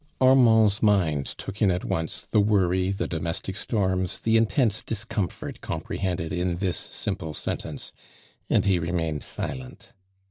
79 ARMAND DURAND. Armand's mind took in at once the worry, the domestic storms, the intense fliscomfort comprehended in this simple sentence, and he remained silent.